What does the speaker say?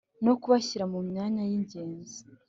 no kubashyira mu myanya y ingenzi